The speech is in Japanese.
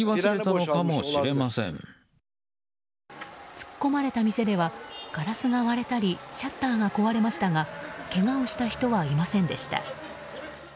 突っ込まれた店ではガラスが割れたりシャッターが壊れましたがけがをした人はいませんでした。